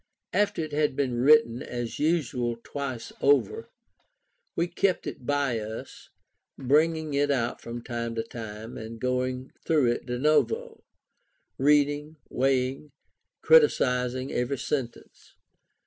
After it had been written as usual twice over, we kept it by us, bringing it out from time to time, and going through it de novo, reading, weighing, and criticizing every sentence.